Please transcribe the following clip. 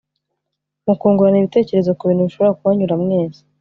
mukungurana ibitekerezo ku bintu bishobora kubanyura mwese